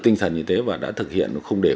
tinh thần như thế và đã thực hiện không để